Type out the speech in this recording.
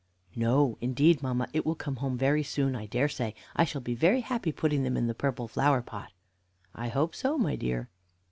"No, indeed, mamma, it will come home very soon, I dare say. I shall be very happy putting them into the purple flower pot." "I hope so, my dear."